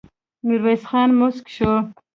ميرويس خان موسک شو.